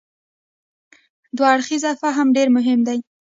دوه اړخیز فهم ډېر مهم دی.